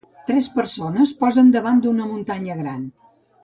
Tres persones posen davant d'una muntanya gran.